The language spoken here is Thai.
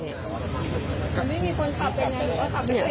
ไม่มีคนขับไปไหน